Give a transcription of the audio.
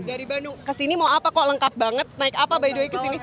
dari bandung kesini mau apa kok lengkap banget naik apa by the way kesini